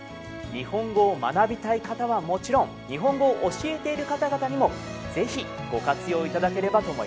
日本語を学びたい方はもちろん日本語を教えている方々にも是非ご活用いただければと思います。